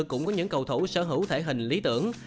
cũng có những cầu thủ sở hữu thể hình lý tưởng